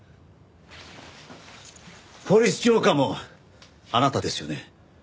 「ポリス浄化ぁ」もあなたですよね。